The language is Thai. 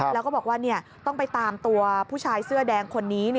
แล้วก็บอกว่าต้องไปตามตัวผู้ชายเสื้อแดงคนนี้